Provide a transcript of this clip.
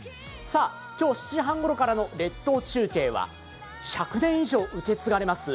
今日７時半ごろからの列島中継は、１００年以上受け継がれます